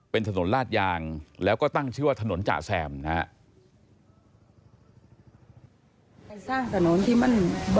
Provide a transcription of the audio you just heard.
เป็นถนนลาดยางแล้วก็ตั้งชื่อว่าถนนจ่าแซมนะฮะ